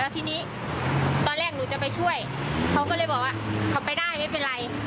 ทีนี้ตอนแรกหนูจะไปช่วยเขาก็เลยบอกว่าเขาไปได้ไม่เป็นไร